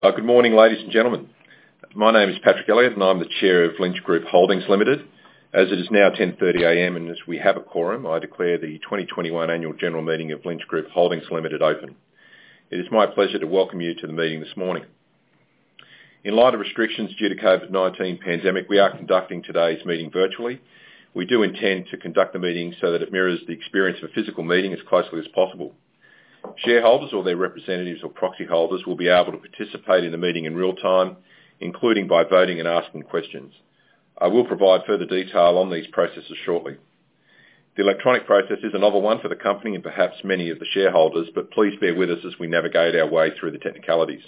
Good morning, ladies and gentlemen. My name is Patrick Elliott, and I'm the Chair of Lynch Group Holdings Limited. As it is now 10:30 A.M., and as we have a quorum, I declare the 2021 annual general meeting of Lynch Group Holdings Limited open. It is my pleasure to welcome you to the meeting this morning. In light of restrictions due to COVID-19 pandemic, we are conducting today's meeting virtually. We do intend to conduct the meeting so that it mirrors the experience of a physical meeting as closely as possible. Shareholders or their representatives or proxy holders will be able to participate in the meeting in real time, including by voting and asking questions. I will provide further detail on these processes shortly. The electronic process is a novel one for the company and perhaps many of the shareholders, but please bear with us as we navigate our way through the technicalities.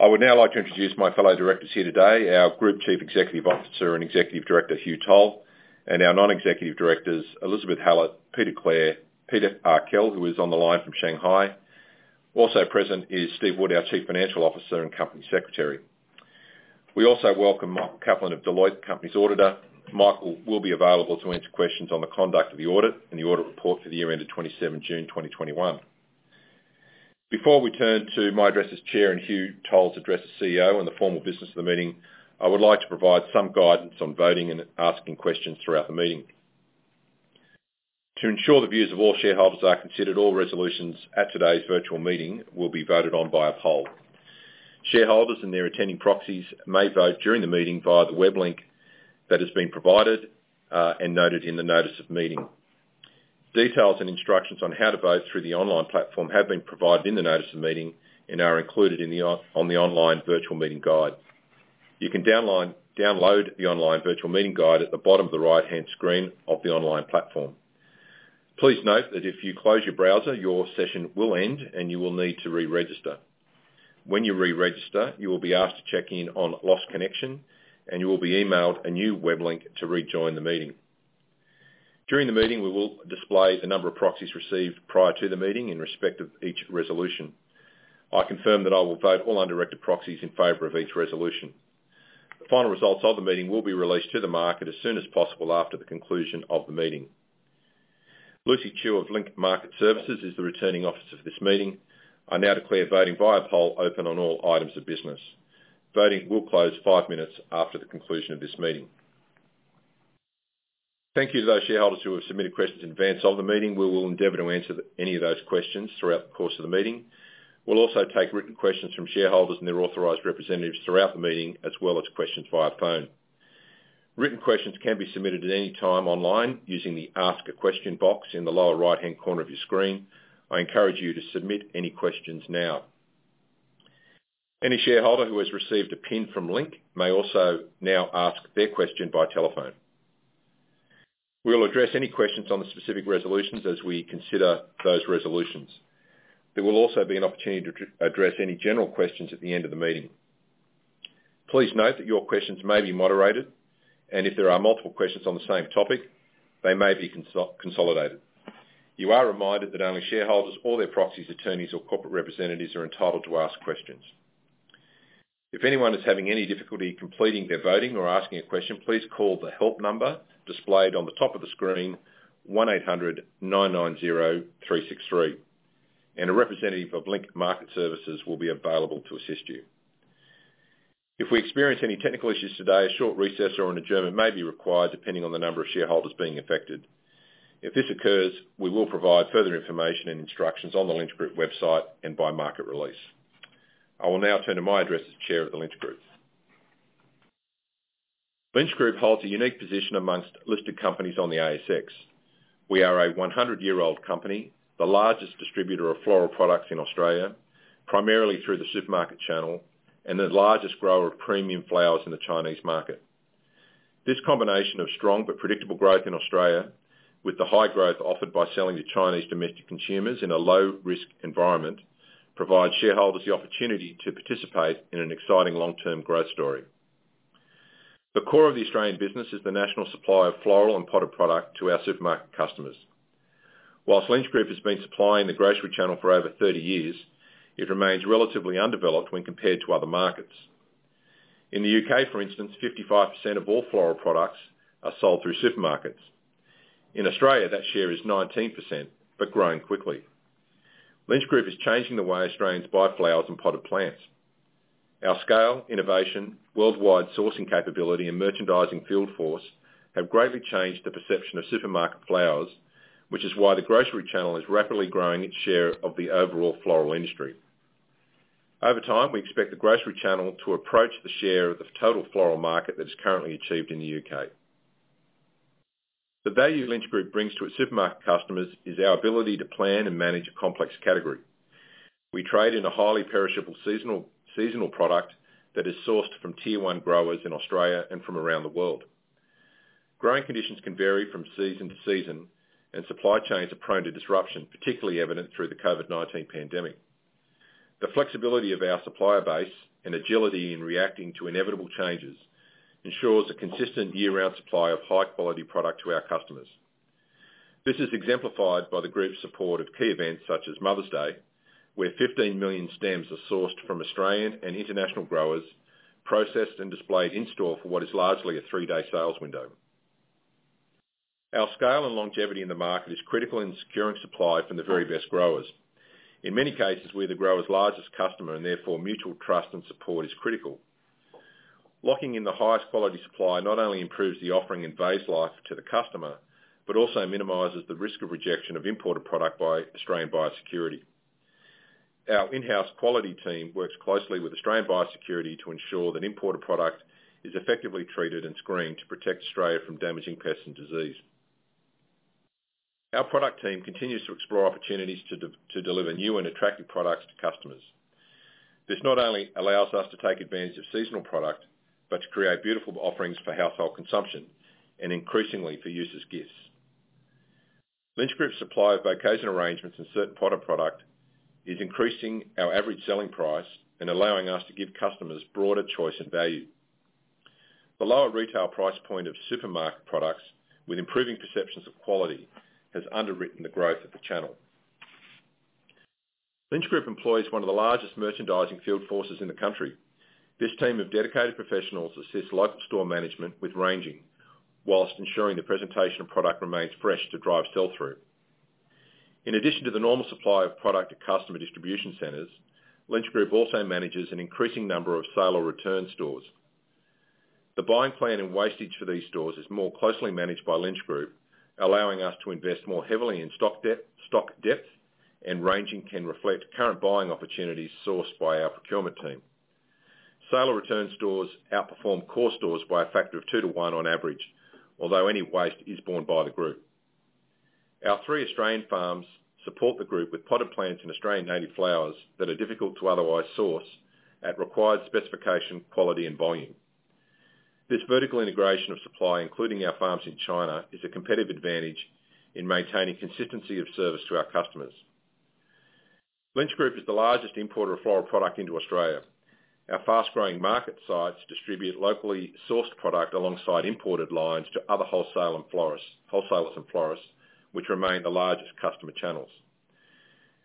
I would now like to introduce my fellow directors here today, our Group Chief Executive Officer and Executive Director, Hugh Toll, and our Non-Executive Directors, Elizabeth Hallett, Peter Clare, Peter Arkell, who is on the line from Shanghai. Also present is Steve Wood, our Chief Financial Officer and Company Secretary. We also welcome Michael Kaplan of Deloitte, the company's Auditor. Michael will be available to answer questions on the conduct of the audit and the audit report for the year ended 27 June 2021. Before we turn to my address as Chair and Hugh Toll's address as CEO and the formal business of the meeting, I would like to provide some guidance on voting and asking questions throughout the meeting. To ensure the views of all shareholders are considered, all resolutions at today's virtual meeting will be voted on via poll. Shareholders and their attending proxies may vote during the meeting via the web link that has been provided, and noted in the notice of meeting. Details and instructions on how to vote through the online platform have been provided in the notice of meeting and are included in the online virtual meeting guide. You can download the online virtual meeting guide at the bottom of the right-hand screen of the online platform. Please note that if you close your browser, your session will end, and you will need to re-register. When you re-register, you will be asked to check in on lost connection, and you will be emailed a new web link to rejoin the meeting. During the meeting, we will display the number of proxies received prior to the meeting in respect of each resolution. I confirm that I will vote all undirected proxies in favor of each resolution. The final results of the meeting will be released to the market as soon as possible after the conclusion of the meeting. Lucy Chu of Link Market Services is the Returning Officer for this meeting. I now declare voting via poll open on all items of business. Voting will close five minutes after the conclusion of this meeting. Thank you to those shareholders who have submitted questions in advance of the meeting. We will endeavor to answer any of those questions throughout the course of the meeting. We'll also take written questions from shareholders and their authorized representatives throughout the meeting, as well as questions via phone. Written questions can be submitted at any time online using the Ask a Question box in the lower right-hand corner of your screen. I encourage you to submit any questions now. Any shareholder who has received a pin from link may also now ask their question by telephone. We will address any questions on the specific resolutions as we consider those resolutions. There will also be an opportunity to address any general questions at the end of the meeting. Please note that your questions may be moderated, and if there are multiple questions on the same topic, they may be consolidated. You are reminded that only shareholders or their proxies, attorneys or corporate representatives are entitled to ask questions. If anyone is having any difficulty completing their voting or asking a question, please call the help number displayed on the top of the screen, one-eight zero zero-nine nine zero-three six three, and a representative of Link Market Services will be available to assist you. If we experience any technical issues today, a short recess or an adjournment may be required depending on the number of shareholders being affected. If this occurs, we will provide further information and instructions on the Lynch Group website and by market release. I will now turn to my address as Chair of the Lynch Group. Lynch Group holds a unique position among listed companies on the ASX. We are a 100-year-old company, the largest distributor of floral products in Australia, primarily through the supermarket channel and the largest grower of premium flowers in the Chinese market. This combination of strong but predictable growth in Australia with the high growth offered by selling to Chinese domestic consumers in a low-risk environment provide shareholders the opportunity to participate in an exciting long-term growth story. The core of the Australian business is the national supply of floral and potted product to our supermarket customers. While Lynch Group has been supplying the grocery channel for over 30 years, it remains relatively undeveloped when compared to other markets. In the U.K., for instance, 55% of all floral products are sold through supermarkets. In Australia, that share is 19%, but growing quickly. Lynch Group is changing the way Australians buy flowers and potted plants. Our scale, innovation, worldwide sourcing capability and merchandising field force have greatly changed the perception of supermarket flowers, which is why the grocery channel is rapidly growing its share of the overall floral industry. Over time, we expect the grocery channel to approach the share of the total floral market that is currently achieved in the U.K. The value Lynch Group brings to its supermarket customers is our ability to plan and manage a complex category. We trade in a highly perishable seasonal product that is sourced from tier 1 growers in Australia and from around the world. Growing conditions can vary from season to season, and supply chains are prone to disruption, particularly evident through the COVID-19 pandemic. The flexibility of our supplier base and agility in reacting to inevitable changes ensures a consistent year-round supply of high-quality product to our customers. This is exemplified by the group's support of key events such as Mother's Day, where 15 million stems are sourced from Australian and international growers, processed and displayed in store for what is largely a three-day sales window. Our scale and longevity in the market is critical in securing supply from the very best growers. In many cases, we're the grower's largest customer, and therefore, mutual trust and support is critical. Locking in the highest quality supply not only improves the offering and vase life to the customer, but also minimizes the risk of rejection of imported product by Australian biosecurity. Our in-house quality team works closely with Australian biosecurity to ensure that imported product is effectively treated and screened to protect Australia from damaging pests and disease. Our product team continues to explore opportunities to deliver new and attractive products to customers. This not only allows us to take advantage of seasonal product, but to create beautiful offerings for household consumption and increasingly for use as gifts. Lynch Group's supply of vase arrangements and certain potted product is increasing our average selling price and allowing us to give customers broader choice and value. The lower retail price point of supermarket products with improving perceptions of quality has underwritten the growth of the channel. Lynch Group employs one of the largest merchandising field forces in the country. This team of dedicated professionals assist local store management with ranging, while ensuring the presentation of product remains fresh to drive sell-through. In addition to the normal supply of product at customer distribution centers, Lynch Group also manages an increasing number of sale or return stores. The buying plan and wastage for these stores is more closely managed by Lynch Group, allowing us to invest more heavily in stock depth, and ranging can reflect current buying opportunities sourced by our procurement team. Sale or return stores outperform core stores by a factor of 2/1 on average, although any waste is borne by the group. Our three Australian farms support the group with potted plants and Australian native flowers that are difficult to otherwise source at required specification, quality and volume. This vertical integration of supply, including our farms in China, is a competitive advantage in maintaining consistency of service to our customers. Lynch Group is the largest importer of floral product into Australia. Our fast-growing market sites distribute locally sourced product alongside imported lines to other wholesalers and florists, which remain the largest customer channels.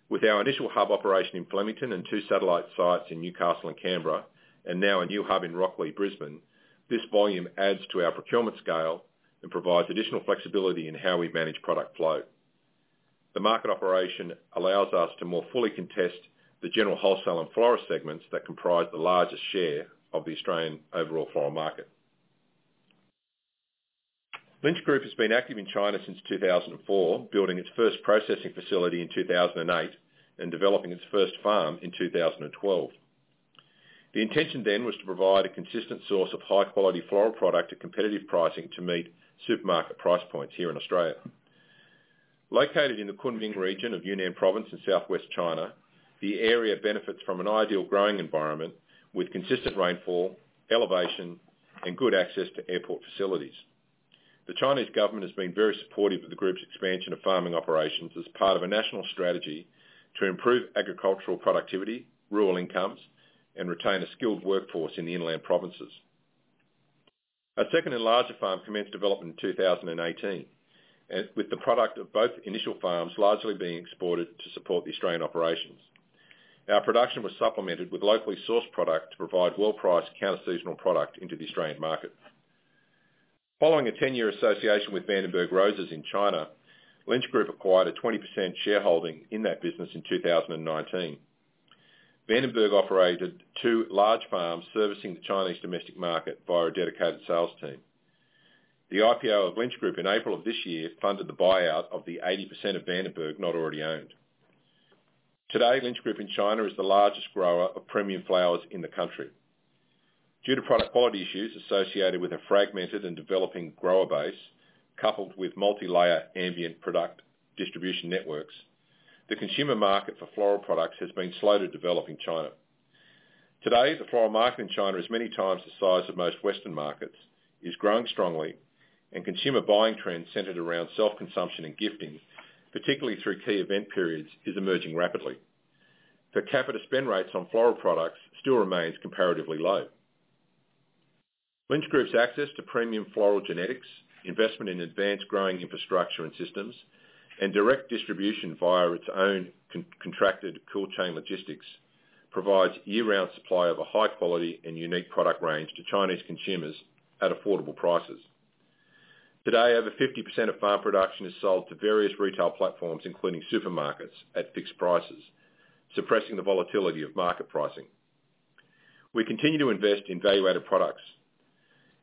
With our initial hub operation in Flemington and two satellite sites in Newcastle and Canberra, and now a new hub in Rocklea, Brisbane, this volume adds to our procurement scale and provides additional flexibility in how we manage product flow. The market operation allows us to more fully contest the general wholesale and florist segments that comprise the largest share of the Australian overall floral market. Lynch Group has been active in China since 2004, building its first processing facility in 2008 and developing its first farm in 2012. The intention then was to provide a consistent source of high quality floral product at competitive pricing to meet supermarket price points here in Australia. Located in the Kunming region of Yunnan province in southwest China, the area benefits from an ideal growing environment with consistent rainfall, elevation, and good access to airport facilities. The Chinese government has been very supportive of the group's expansion of farming operations as part of a national strategy to improve agricultural productivity, rural incomes, and retain a skilled workforce in the inland provinces. Our second and larger farm commenced development in 2018 with the product of both initial farms largely being exported to support the Australian operations. Our production was supplemented with locally sourced product to provide well-priced counter-seasonal product into the Australian market. Following a 10-year association with Van den Berg Roses in China, Lynch Group acquired a 20% shareholding in that business in 2019. Van den Berg operated two large farms servicing the Chinese domestic market via a dedicated sales team. The IPO of Lynch Group in April of this year funded the buyout of the 80% of Van den Berg not already owned. Today, Lynch Group in China is the largest grower of premium flowers in the country. Due to product quality issues associated with a fragmented and developing grower base, coupled with multilayer ambient product distribution networks, the consumer market for floral products has been slow to develop in China. Today, the floral market in China is many times the size of most Western markets, is growing strongly, and consumer buying trends centered around self-consumption and gifting, particularly through key event periods, is emerging rapidly. Per capita spend rates on floral products still remains comparatively low. Lynch Group's access to premium floral genetics, investment in advanced growing infrastructure and systems, and direct distribution via its own contracted cold chain logistics, provides year-round supply of a high quality and unique product range to Chinese consumers at affordable prices. Today, over 50% of farm production is sold to various retail platforms, including supermarkets, at fixed prices, suppressing the volatility of market pricing. We continue to invest in value-added products.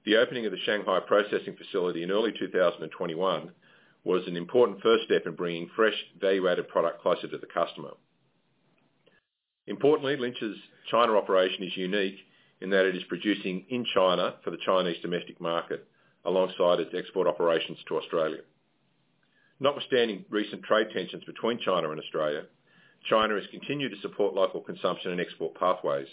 The opening of the Shanghai processing facility in early 2021 was an important first step in bringing fresh, value-added product closer to the customer. Importantly, Lynch's China operation is unique in that it is producing in China for the Chinese domestic market alongside its export operations to Australia. Notwithstanding recent trade tensions between China and Australia, China has continued to support local consumption and export pathways.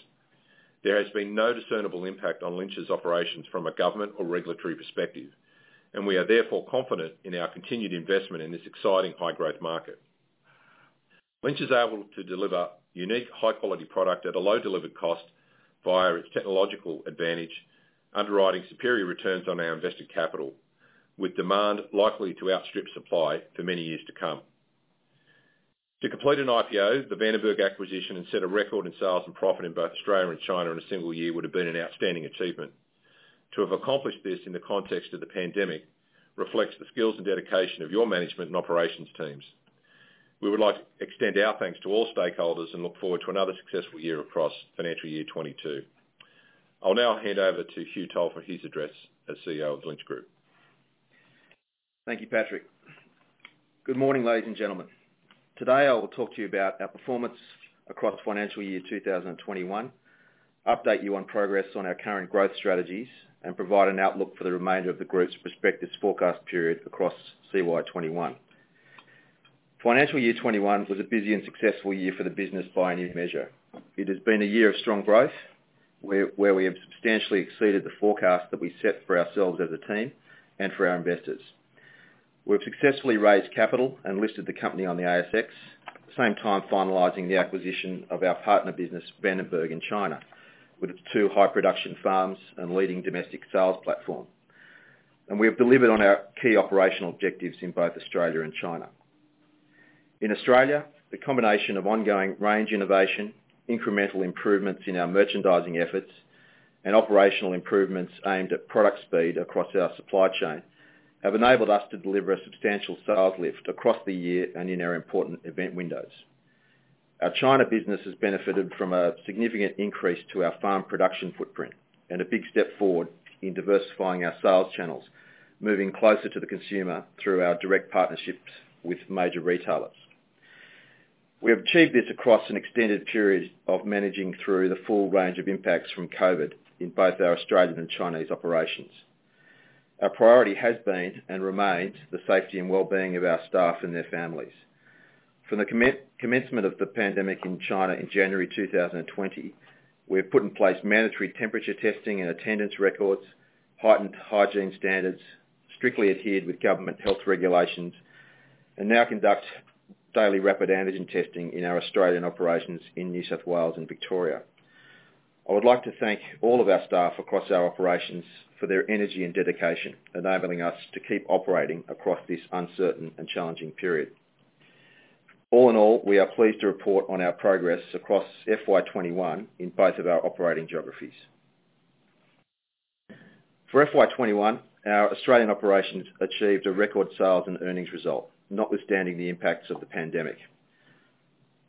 There has been no discernible impact on Lynch's operations from a government or regulatory perspective, and we are therefore confident in our continued investment in this exciting high-growth market. Lynch is able to deliver unique high-quality product at a low delivered cost via its technological advantage, underwriting superior returns on our invested capital, with demand likely to outstrip supply for many years to come. To complete an IPO, the Van den Berg acquisition had set a record in sales and profit in both Australia and China in a single year would've been an outstanding achievement. To have accomplished this in the context of the pandemic, reflects the skills and dedication of your management and operations teams. We would like to extend our thanks to all stakeholders and look forward to another successful year across financial year 2022. I'll now hand over to Hugh Toll for his address as CEO of Lynch Group. Thank you, Patrick. Good morning, ladies and gentlemen. Today, I will talk to you about our performance across financial year 2021, update you on progress on our current growth strategies, and provide an outlook for the remainder of the Group's prospectus forecast period across CY 2021. Financial year 2021 was a busy and successful year for the business by any measure. It has been a year of strong growth where we have substantially exceeded the forecast that we set for ourselves as a team and for our investors. We've successfully raised capital and listed the company on the ASX, at the same time finalizing the acquisition of our partner business, Van den Berg in China, with its two high-production farms and leading domestic sales platform. We have delivered on our key operational objectives in both Australia and China. In Australia, the combination of ongoing range innovation, incremental improvements in our merchandising efforts, and operational improvements aimed at product speed across our supply chain have enabled us to deliver a substantial sales lift across the year and in our important event windows. Our China business has benefited from a significant increase to our farm production footprint and a big step forward in diversifying our sales channels, moving closer to the consumer through our direct partnerships with major retailers. We have achieved this across an extended period of managing through the full range of impacts from COVID in both our Australian and Chinese operations. Our priority has been, and remains, the safety and wellbeing of our staff and their families. From the commencement of the pandemic in China in January 2020, we have put in place mandatory temperature testing and attendance records, heightened hygiene standards, strictly adhered with government health regulations, and now conduct daily rapid antigen testing in our Australian operations in New South Wales and Victoria. I would like to thank all of our staff across our operations for their energy and dedication, enabling us to keep operating across this uncertain and challenging period. All in all, we are pleased to report on our progress across FY 2021 in both of our operating geographies. For FY 2021, our Australian operations achieved a record sales and earnings result, notwithstanding the impacts of the pandemic.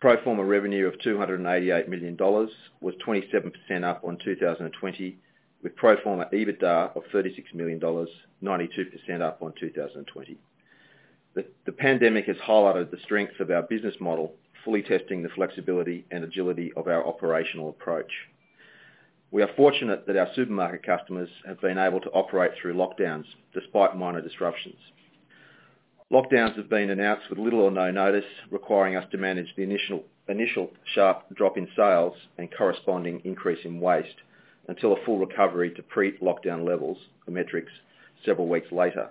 Pro forma revenue of 298 million dollars was 27% up on 2020, with pro forma EBITDA of 36 million dollars, 92% up on 2020. The pandemic has highlighted the strengths of our business model, fully testing the flexibility and agility of our operational approach. We are fortunate that our supermarket customers have been able to operate through lockdowns, despite minor disruptions. Lockdowns have been announced with little or no notice, requiring us to manage the initial sharp drop in sales and corresponding increase in waste until a full recovery to pre-lockdown levels and metrics several weeks later.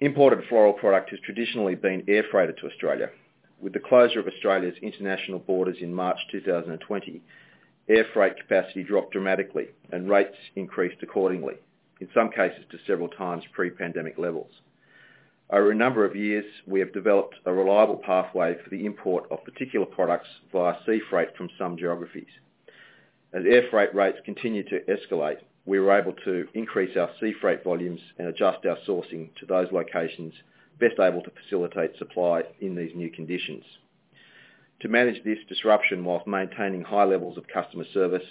Imported floral product has traditionally been air freighted to Australia. With the closure of Australia's international borders in March 2020, air freight capacity dropped dramatically, and rates increased accordingly, in some cases, to several times pre-pandemic levels. Over a number of years, we have developed a reliable pathway for the import of particular products via sea freight from some geographies. As air freight rates continued to escalate, we were able to increase our sea freight volumes and adjust our sourcing to those locations best able to facilitate supply in these new conditions. To manage this disruption while maintaining high levels of customer service,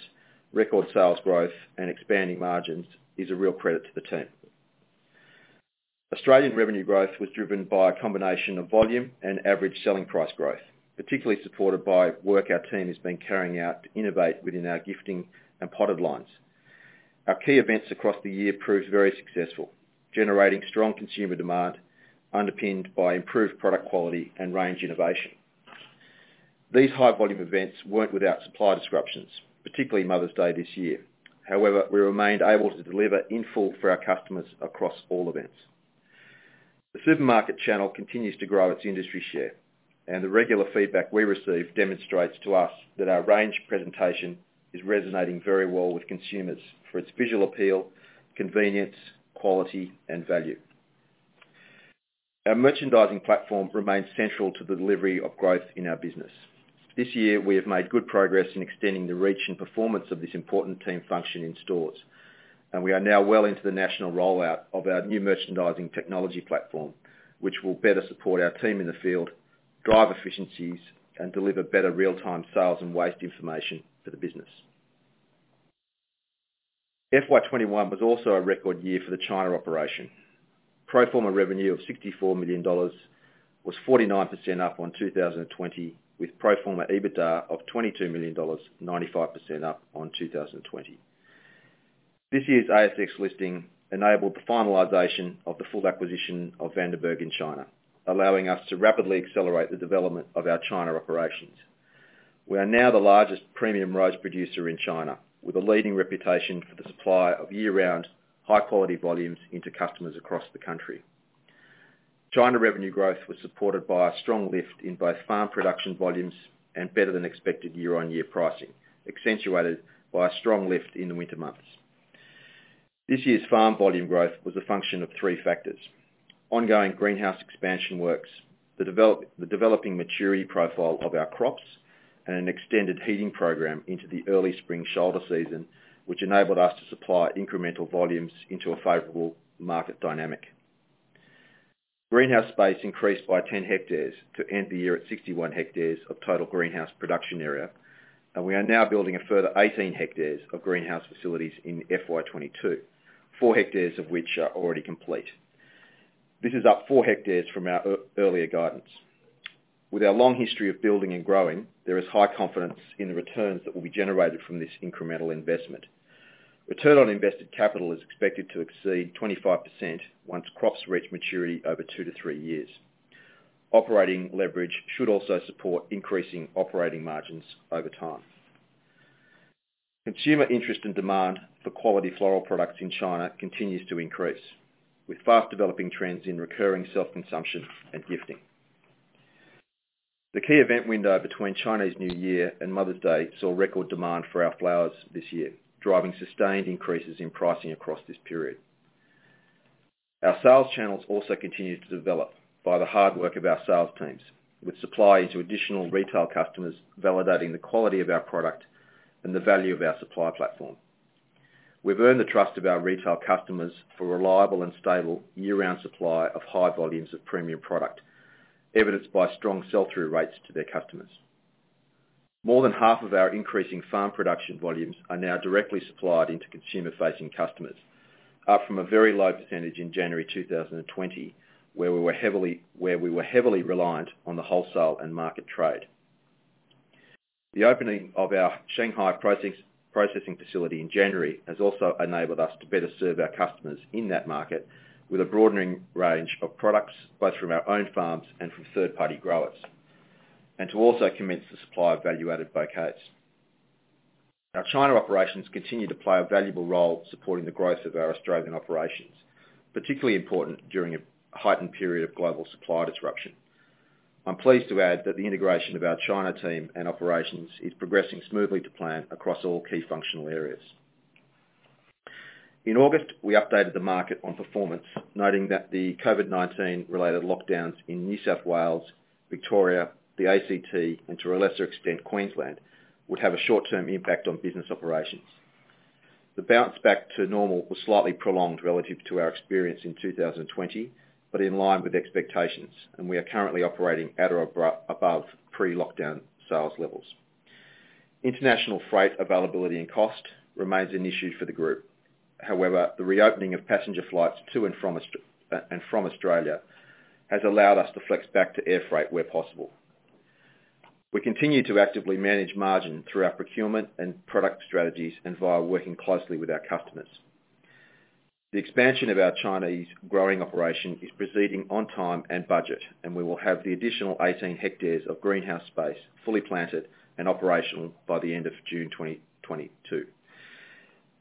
record sales growth, and expanding margins, is a real credit to the team. Australian revenue growth was driven by a combination of volume and average selling price growth, particularly supported by work our team has been carrying out to innovate within our gifting and potted lines. Our key events across the year proved very successful, generating strong consumer demand, underpinned by improved product quality and range innovation. These high-volume events weren't without supply disruptions, particularly Mother's Day this year. However, we remained able to deliver in full for our customers across all events. The supermarket channel continues to grow its industry share, and the regular feedback we receive demonstrates to us that our range presentation is resonating very well with consumers for its visual appeal, convenience, quality, and value. Our merchandising platform remains central to the delivery of growth in our business. This year, we have made good progress in extending the reach and performance of this important team function in stores, and we are now well into the national rollout of our new merchandising technology platform, which will better support our team in the field, drive efficiencies, and deliver better real-time sales and waste information to the business. FY 2021 was also a record year for the China operation. Pro forma revenue of AUD 64 million was 49% up on 2020, with pro forma EBITDA of 22 million dollars, 95% up on 2020. This year's ASX listing enabled the finalization of the full acquisition of Van den Berg in China, allowing us to rapidly accelerate the development of our China operations. We are now the largest premium rose producer in China, with a leading reputation for the supply of year-round, high-quality volumes into customers across the country. China revenue growth was supported by a strong lift in both farm production volumes and better than expected year-on-year pricing, accentuated by a strong lift in the winter months. This year's farm volume growth was a function of three factors. Ongoing greenhouse expansion works, the developing maturity profile of our crops, and an extended heating program into the early spring shoulder season, which enabled us to supply incremental volumes into a favorable market dynamic. Greenhouse space increased by 10 hectares to end the year at 61 hectares of total greenhouse production area, and we are now building a further 18 hectares of greenhouse facilities in FY 2022, four hectares of which are already complete. This is up four hectares from our earlier guidance. With our long history of building and growing, there is high confidence in the returns that will be generated from this incremental investment. Return on invested capital is expected to exceed 25% once crops reach maturity over two to three years. Operating leverage should also support increasing operating margins over time. Consumer interest and demand for quality floral products in China continues to increase with fast developing trends in recurring self-consumption and gifting. The key event window between Chinese New Year and Mother's Day saw record demand for our flowers this year, driving sustained increases in pricing across this period. Our sales channels also continued to develop by the hard work of our sales teams, with supply to additional retail customers validating the quality of our product and the value of our supply platform. We've earned the trust of our retail customers for reliable and stable year-round supply of high volumes of premium product, evidenced by strong sell-through rates to their customers. More than half of our increasing farm production volumes are now directly supplied into consumer-facing customers, up from a very low percentage in January 2020, where we were heavily reliant on the wholesale and market trade. The opening of our Shanghai processing facility in January has also enabled us to better serve our customers in that market with a broadening range of products, both from our own farms and from third-party growers, and to also commence the supply of value-added bouquets. Our China operations continue to play a valuable role supporting the growth of our Australian operations, particularly important during a heightened period of global supply disruption. I'm pleased to add that the integration of our China team and operations is progressing smoothly to plan across all key functional areas. In August, we updated the market on performance, noting that the COVID-19 related lockdowns in New South Wales, Victoria, the ACT, and to a lesser extent, Queensland, would have a short-term impact on business operations. The bounce back to normal was slightly prolonged relative to our experience in 2020, but in line with expectations, and we are currently operating at or above pre-lockdown sales levels. International freight availability and cost remains an issue for the group. However, the reopening of passenger flights to and from Australia has allowed us to flex back to air freight where possible. We continue to actively manage margin through our procurement and product strategies, and via working closely with our customers. The expansion of our Chinese growing operation is proceeding on time and budget, and we will have the additional 18 hectares of greenhouse space fully planted and operational by the end of June 2022.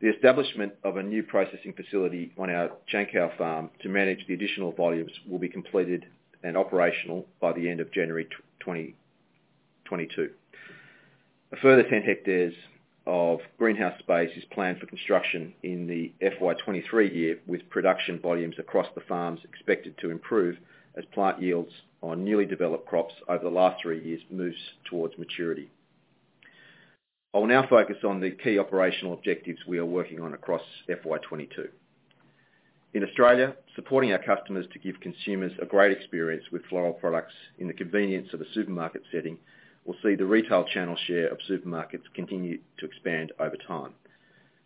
The establishment of a new processing facility on our Changkou farm to manage the additional volumes will be completed and operational by the end of January 2022. A further 10 hectares of greenhouse space is planned for construction in the FY 2023 year, with production volumes across the farms expected to improve as plant yields on newly developed crops over the last three years moves towards maturity. I will now focus on the key operational objectives we are working on across FY 2022. In Australia, supporting our customers to give consumers a great experience with floral products in the convenience of a supermarket setting, we'll see the retail channel share of supermarkets continue to expand over time.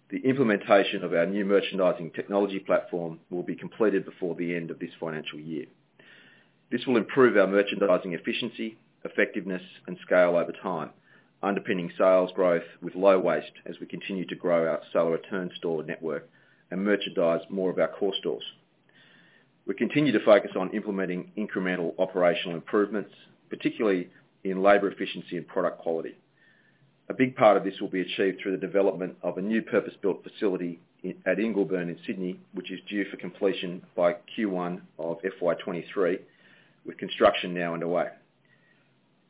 The implementation of our new merchandising technology platform will be completed before the end of this financial year. This will improve our merchandising efficiency, effectiveness, and scale over time, underpinning sales growth with low waste as we continue to grow our sale or return store network and merchandise more of our core stores. We continue to focus on implementing incremental operational improvements, particularly in labor efficiency and product quality. A big part of this will be achieved through the development of a new purpose-built facility at Ingleburn in Sydney, which is due for completion by Q1 of FY 2023, with construction now underway.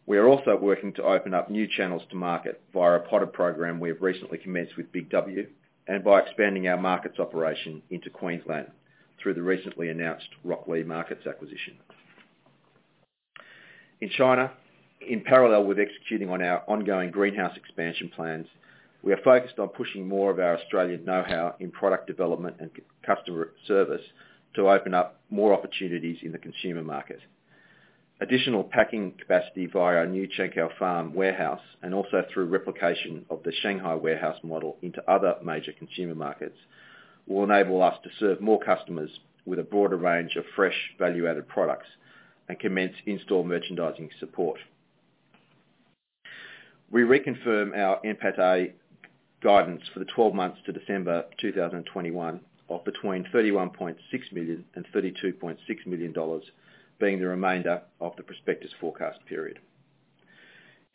We are also working to open up new channels to market via a potted program we have recently commenced with Big W, and by expanding our markets operation into Queensland through the recently announced Rocklea Markets acquisition. In China, in parallel with executing on our ongoing greenhouse expansion plans, we are focused on pushing more of our Australian know-how in product development and customer service to open up more opportunities in the consumer market. Additional packing capacity via our new Changkou Farm warehouse, and also through replication of the Shanghai warehouse model into other major consumer markets, will enable us to serve more customers with a broader range of fresh, value-added products and commence in-store merchandising support. We reconfirm our NPATA guidance for the twelve months to December 2021 of between AUD 31.6 million and AUD 32.6 million, being the remainder of the prospectus forecast period.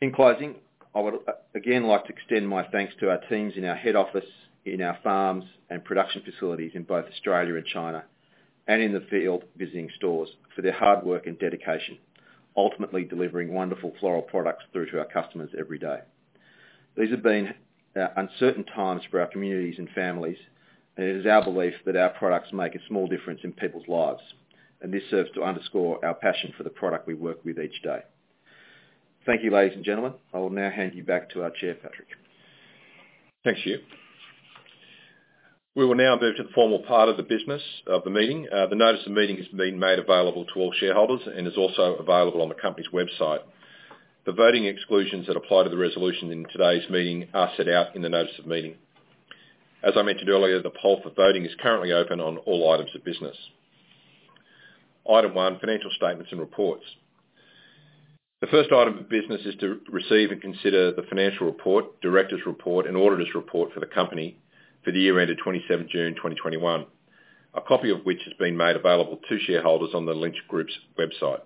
In closing, I would again like to extend my thanks to our teams in our head office, in our farms, and production facilities in both Australia and China, and in the field visiting stores for their hard work and dedication, ultimately delivering wonderful floral products through to our customers every day. These have been uncertain times for our communities and families, and it is our belief that our products make a small difference in people's lives, and this serves to underscore our passion for the product we work with each day. Thank you, ladies and gentlemen. I will now hand you back to our Chair, Patrick. Thanks, Hugh. We will now move to the formal part of the business of the meeting. The notice of meeting has been made available to all shareholders and is also available on the company's website. The voting exclusions that apply to the resolution in today's meeting are set out in the notice of meeting. As I mentioned earlier, the poll for voting is currently open on all items of business. Item one, financial statements and reports. The first order of business is to receive and consider the financial report, directors' report, and auditor's report for the company for the year ended 27th June 2021. A copy of which has been made available to shareholders on the Lynch Group's website.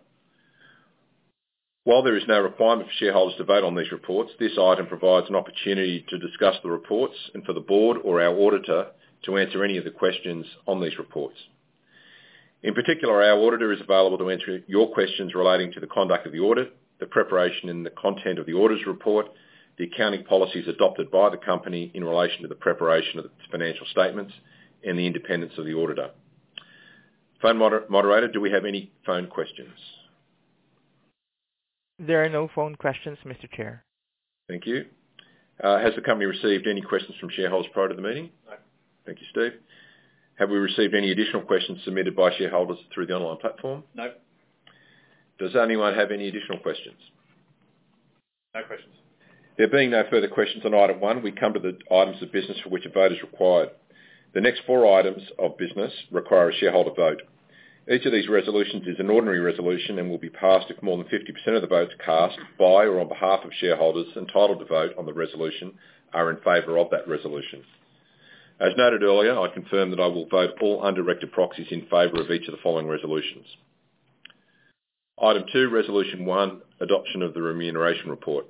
While there is no requirement for shareholders to vote on these reports, this item provides an opportunity to discuss the reports and for the board or our auditor to answer any of the questions on these reports. In particular, our auditor is available to answer your questions relating to the conduct of the audit, the preparation and the content of the auditor's report, the accounting policies adopted by the company in relation to the preparation of the financial statements, and the independence of the auditor. Phone moderator, do we have any phone questions? There are no phone questions, Mr. Chair. Thank you. Has the company received any questions from shareholders prior to the meeting? No. Thank you, Steve. Have we received any additional questions submitted by shareholders through the online platform? No. Does anyone have any additional questions? No questions. There being no further questions on item one, we come to the items of business for which a vote is required. The next four items of business require a shareholder vote. Each of these resolutions is an ordinary resolution and will be passed if more than 50% of the votes cast by or on behalf of shareholders entitled to vote on the resolution are in favor of that resolution. As noted earlier, I confirm that I will vote all undirected proxies in favor of each of the following resolutions. Item two, resolution one, adoption of the remuneration report.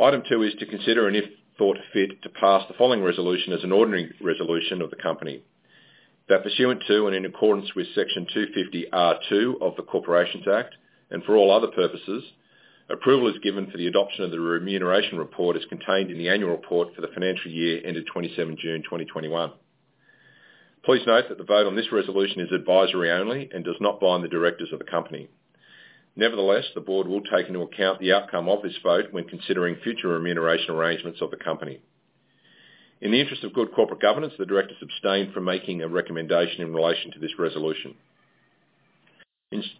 Item two is to consider and, if thought fit, to pass the following resolution as an ordinary resolution of the company. That pursuant to and in accordance with Section 250R(2) of the Corporations Act, and for all other purposes, approval is given for the adoption of the remuneration report as contained in the annual report for the financial year ended 27th June 2021. Please note that the vote on this resolution is advisory only and does not bind the directors of the company. Nevertheless, the board will take into account the outcome of this vote when considering future remuneration arrangements of the company. In the interest of good corporate governance, the directors abstained from making a recommendation in relation to this resolution.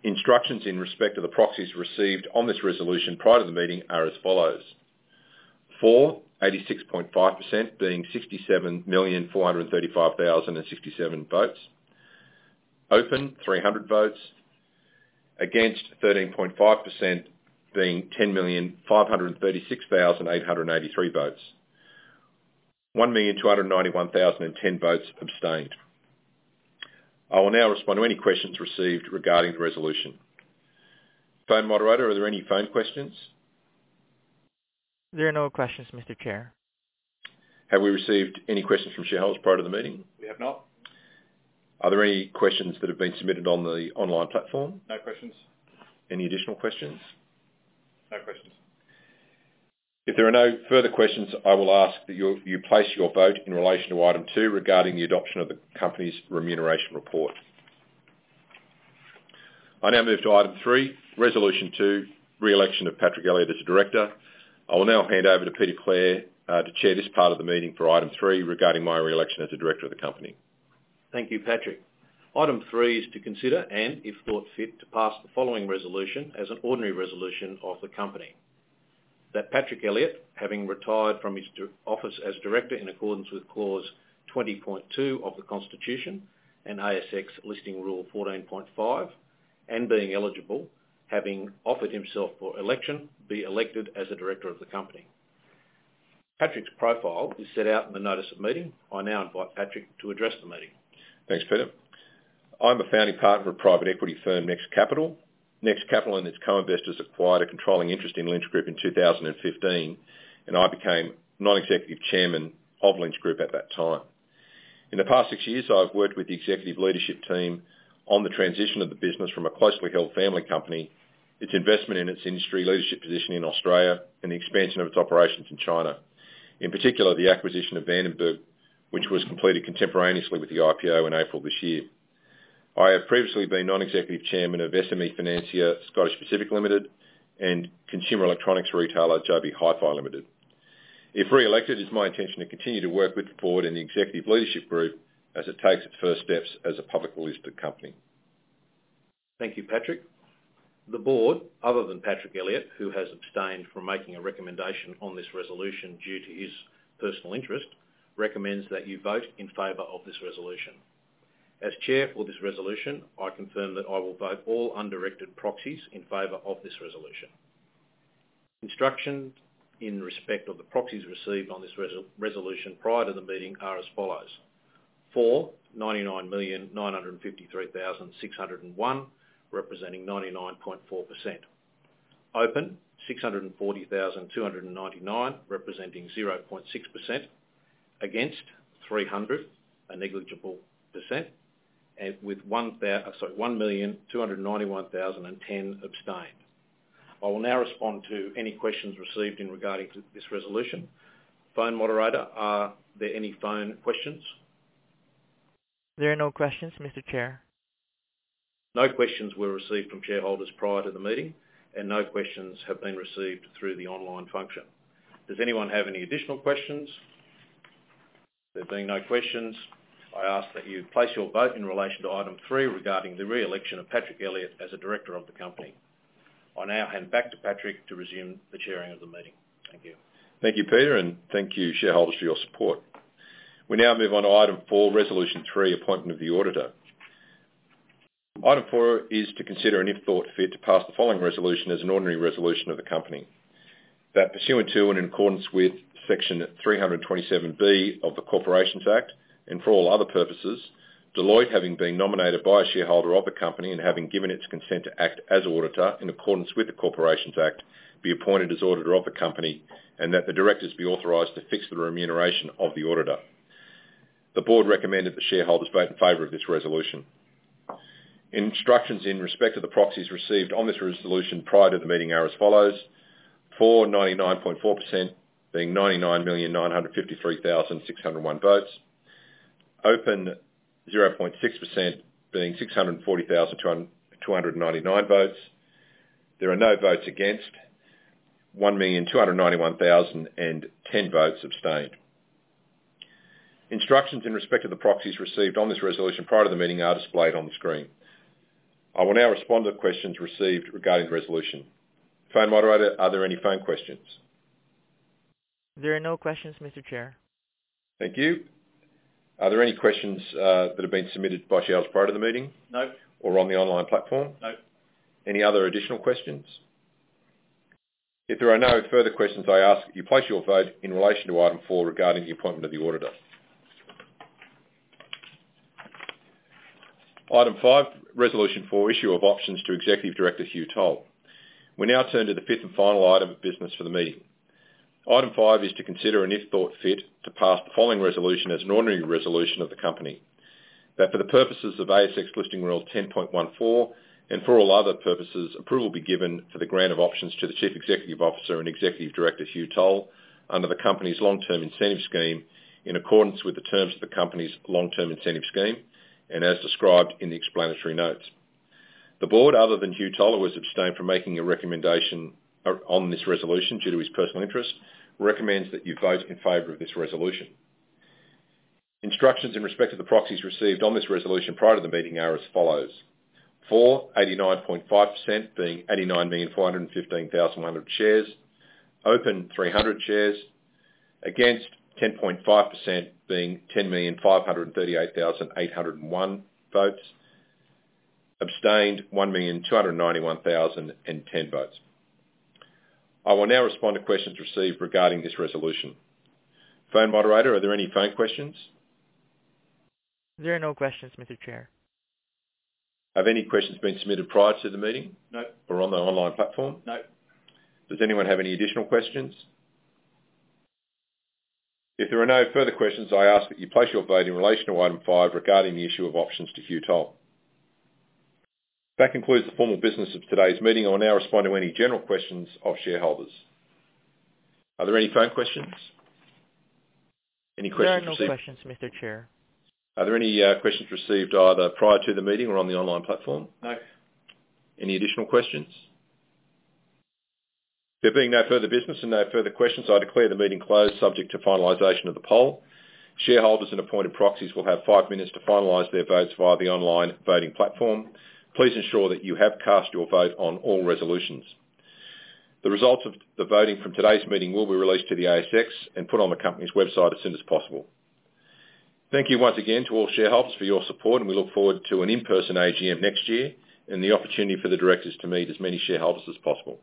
Instructions in respect of the proxies received on this resolution prior to the meeting are as follows. For 86.5% being 67,435,067 votes. Abstain 300 votes. Against 13.5% being 10,536,883 votes. 1,291,010 votes abstained. I will now respond to any questions received regarding the resolution. Phone moderator, are there any phone questions? There are no questions, Mr. Chair. Have we received any questions from shareholders prior to the meeting? We have not. Are there any questions that have been submitted on the online platform? No questions. Any additional questions? No questions. If there are no further questions, I will ask that you place your vote in relation to item two regarding the adoption of the company's remuneration report. I now move to item three, resolution two, re-election of Patrick Elliott as a Director. I will now hand over to Peter Clare to Chair this part of the meeting for item three regarding my re-election as the Director of the company. Thank you, Patrick. Item three is to consider and, if thought fit, to pass the following resolution as an ordinary resolution of the company. That Patrick Elliott, having retired from his office as Director in accordance with clause 20.2 of the Constitution and ASX Listing Rule 14.5, and being eligible, having offered himself for election, be elected as a Director of the company. Patrick's profile is set out in the notice of meeting. I now invite Patrick to address the meeting. Thanks, Peter. I'm a Founding Partner of private equity firm Next Capital. Next Capital and its Co-Investors acquired a controlling interest in Lynch Group in 2015, and I became Non-Executive Chairman of Lynch Group at that time. In the past six years, I've worked with the executive leadership team on the transition of the business from a closely held family company, its investment in its industry leadership position in Australia, and the expansion of its operations in China. In particular, the acquisition of Van den Berg, which was completed contemporaneously with the IPO in April this year. I have previously been Non-Executive Chairman of SME Financier Scottish Pacific Group Limited and consumer electronics retailer JB Hi-Fi Limited. If re-elected, it's my intention to continue to work with the board and the executive leadership group as it takes its first steps as a publicly listed company. Thank you, Patrick. The board, other than Patrick Elliott, who has abstained from making a recommendation on this resolution due to his personal interest, recommends that you vote in favor of this resolution. As Chair for this resolution, I confirm that I will vote all undirected proxies in favor of this resolution. Instructions in respect of the proxies received on this resolution prior to the meeting are as follows. For 99,953,601, representing 99.4%. Open 640,299, representing 0.6%. Against 300, a negligible %. With 1,291,010 abstained. I will now respond to any questions received in regard to this resolution. Phone moderator, are there any phone questions? There are no questions, Mr. Chair. No questions were received from shareholders prior to the meeting, and no questions have been received through the online function. Does anyone have any additional questions? There being no questions, I ask that you place your vote in relation to item three regarding the re-election of Patrick Elliott as a Director of the company. I now hand back to Patrick to resume the chairing of the meeting. Thank you. Thank you, Peter, and thank you, shareholders, for your support. We now move on to item four, resolution three, appointment of the auditor. Item four is to consider and if thought fit to pass the following resolution as an ordinary resolution of the company. That pursuant to and in accordance with Section 327B of the Corporations Act, and for all other purposes, Deloitte having been nominated by a shareholder of the company and having given its consent to act as auditor in accordance with the Corporations Act, be appointed as auditor of the company, and that the directors be authorized to fix the remuneration of the auditor. The board recommended the shareholders vote in favor of this resolution. Instructions in respect to the proxies received on this resolution prior to the meeting are as follows: for 99.4%, being 99,953,601 votes. Against 0.6% being 640,299 votes. There are no votes against. 1,291,010 votes abstained. Instructions in respect to the proxies received on this resolution prior to the meeting are displayed on the screen. I will now respond to questions received regarding the resolution. Phone moderator, are there any phone questions? There are no questions, Mr. Chair. Thank you. Are there any questions that have been submitted by shareholders prior to the meeting? No. On the online platform? No. Any other additional questions? If there are no further questions, I ask that you place your vote in relation to item four regarding the appointment of the auditor. Item five, resolution for issue of options to Executive Director Hugh Toll. We now turn to the fifth and final item of business for the meeting. Item five is to consider and if thought fit, to pass the following resolution as an ordinary resolution of the company. That for the purposes of ASX Listing Rule 10.14 and for all other purposes, approval be given for the grant of options to the Chief Executive Officer and Executive Director, Hugh Toll, under the company's long-term incentive scheme in accordance with the terms of the company's long-term incentive scheme and as described in the explanatory notes. The board, other than Hugh Toll, who has abstained from making a recommendation on this resolution due to his personal interest, recommends that you vote in favor of this resolution. Instructions in respect to the proxies received on this resolution prior to the meeting are as follows: for 89.5%, being 89,415,100 shares. Open 300 shares. Against 10.5% being 10,538,801 votes. Abstained, 1,291,010 votes. I will now respond to questions received regarding this resolution. Phone moderator, are there any phone questions? There are no questions, Mr. Chair. Have any questions been submitted prior to the meeting? No. On the online platform? No. Does anyone have any additional questions? If there are no further questions, I ask that you place your vote in relation to item five regarding the issue of options to Hugh Toll. That concludes the formal business of today's meeting. I will now respond to any general questions of shareholders. Are there any phone questions? Any questions received? There are no questions, Mr. Chair. Are there any questions received either prior to the meeting or on the online platform? No. Any additional questions? There being no further business and no further questions, I declare the meeting closed subject to finalization of the poll. Shareholders and appointed proxies will have five minutes to finalize their votes via the online voting platform. Please ensure that you have cast your vote on all resolutions. The results of the voting from today's meeting will be released to the ASX and put on the company's website as soon as possible. Thank you once again to all shareholders for your support, and we look forward to an in-person AGM next year and the opportunity for the directors to meet as many shareholders as possible.